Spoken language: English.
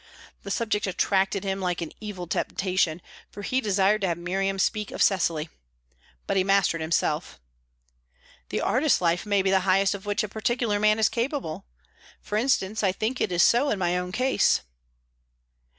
The subject attracted him like an evil temptation, for he desired to have Miriam speak of Cecily. But he mastered himself. "The artist's life may be the highest of which a particular man is capable. For instance, I think it is so in my own case."